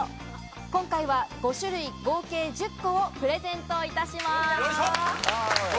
今回は５種類、合計１０個をプレゼントいたします。